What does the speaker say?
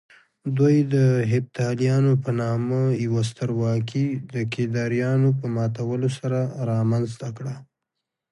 دوی د هېپتاليانو په نامه يوه سترواکي د کيداريانو په ماتولو سره رامنځته کړه